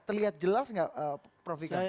terlihat jelas nggak prof ika